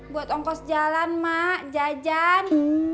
buat ongkos jalan mak jajan